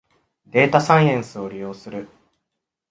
データサイエンスを利用する